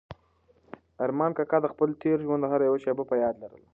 ارمان کاکا د خپل تېر ژوند هره یوه شېبه په یاد لرله.